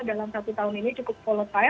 dalam satu tahun ini cukup volatile